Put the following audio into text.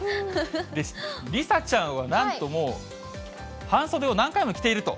梨紗ちゃんはなんともう半袖を何回も着ていると？